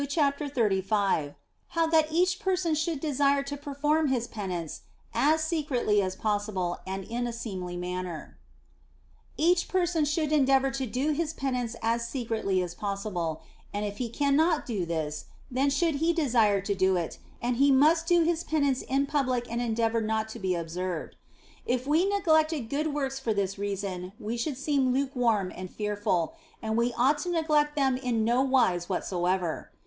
CHAPTER XXXV HOW THAT EACH PERSON SHOULD DESIRE TO PERFORM HIS PENANCE AS SECRETLY AS POSSIBLE AND IN A SEEMLY MANNER EACH person should endeavour to do his penance as secretly as possible ; and if he cannot do this, then should he desire to do it, and he must do his penance in public and endeavour not to be observed. If we neglected good works for this reason we should seem lukewarm and fearful, and we ought to neglect them in no wise whatso ever.